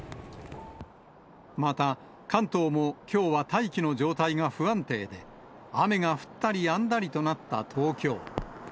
また関東もきょうは大気の状態が不安定で、雨が降ったりやんだりとなった東京。